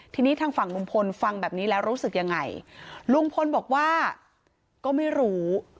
ทีนี้ทางฝั่งลุงพลฟังแบบนี้แล้วรู้สึกยังไงลุงพลบอกว่าก็ไม่รู้